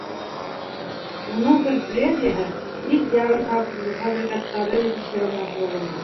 Уның предприятиеһы ит ярымфабрикаттары етештереү менән шөғөлләнә.